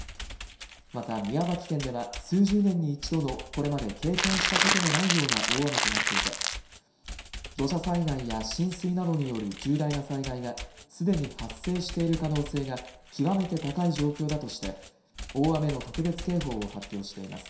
また宮崎県では数十年に一度のこれまで経験したことのないような大雨となっていて土砂災害や浸水などによる重大な災害がすでに発生している可能性が極めて高い状況だとして大雨の特別警報を発表しています。